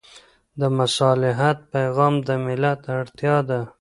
د مصالحت پېغام د ملت اړتیا ده.